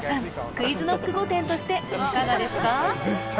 ＱｕｉｚＫｎｏｃｋ御殿としていかがですか？